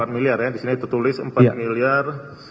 empat miliar ya disini tertulis empat miliar